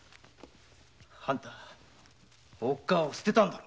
あんたおっかぁを捨てたんだろ。